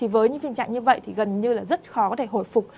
với những tình trạng như vậy thì gần như rất khó có thể hồi phục